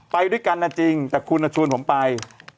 ไปกันน่ะจริงแต่คุณอาจชวนผมไป